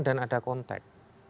dan ada kontak